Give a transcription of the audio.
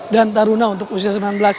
dan taruna untuk usia sembilan belas